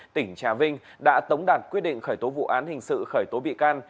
tỉnh trà vinh đã tống đạt quyết định khởi tố vụ án hình sự khởi tố bị can